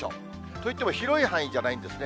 と言っても広い範囲じゃないんですね。